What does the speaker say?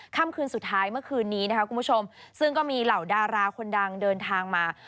ค่ำคืนสุดท้ายเมื่อคืนนี้นะคะคุณผู้ชมซึ่งก็มีเหล่าดาราคนดังเดินทางมา